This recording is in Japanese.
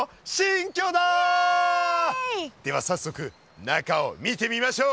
では早速中を見てみましょう！